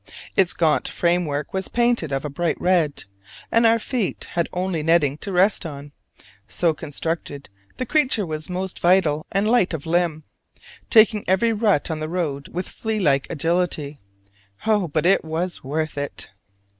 Its gaunt framework was painted of a bright red, and our feet had only netting to rest on: so constructed, the creature was most vital and light of limb, taking every rut on the road with flea like agility. Oh, but it was worth it!